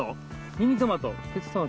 ミニトマト。